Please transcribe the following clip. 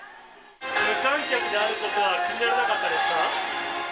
無観客であることは気にならなかったですか？